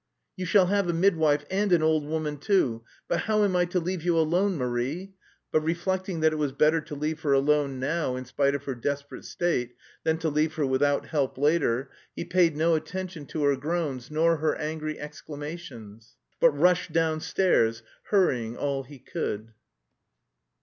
"You shall have a midwife and an old woman too. But how am I to leave you alone, Marie!" But reflecting that it was better to leave her alone now in spite of her desperate state than to leave her without help later, he paid no attention to her groans, nor her angry exclamations, but rushed downstairs, hurrying all he could.